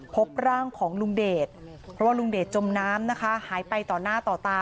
พบร่างของลุงเดชเพราะว่าลุงเดชจมน้ำนะคะหายไปต่อหน้าต่อตา